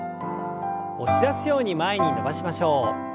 押し出すように前に伸ばしましょう。